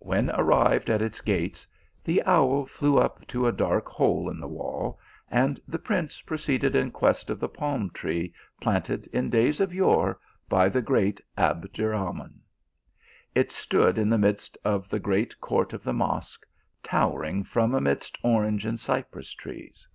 When arrived at its gates the owl flew up to a dark hole in the wall, and the piince proceeded in quest of the palm tree planted in days of yore by the great Abderahman. It stood in the midst of the great court of the Mosque, towering from amidst orange and cypress trees.